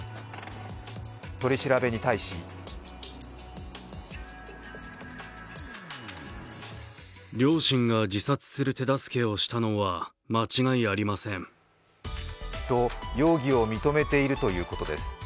取り調べに対しと容疑を認めているということです。